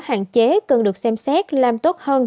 hạn chế cần được xem xét làm tốt hơn